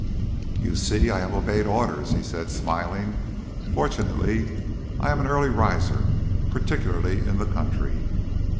"You see, I have obeyed orders," he said, smiling. "Fortunately, I am an early riser, particularly in the country."